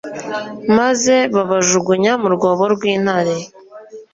maze babajugunya mu rwobo rw intare